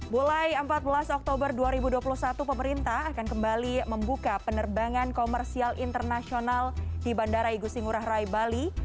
mulai empat belas oktober dua ribu dua puluh satu pemerintah akan kembali membuka penerbangan komersial internasional di bandara igusti ngurah rai bali